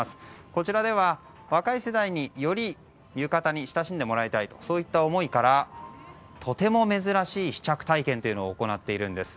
こちらでは、若い世代により浴衣に親しんでもらいたいとそういった思いからとても珍しい試着体験を行っているんです。